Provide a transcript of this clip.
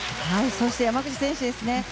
そして、山口選手ですね。